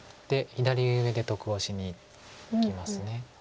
左上で得をしにいきます。